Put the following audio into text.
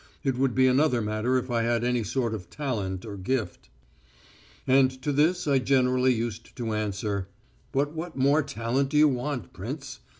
It would be another matter if I had any sort of talent or gift." And to this I generally used to answer: "But what more talent do you want, prince?